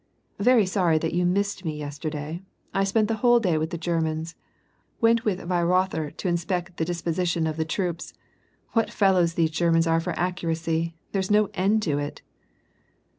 " Very sorry that you missed me yesterday. I spent the whole day with the Germans. Went with Weirother to in spect the disposition of the troops. What fellows these 6er* mans are for accuracy ; there's no end to it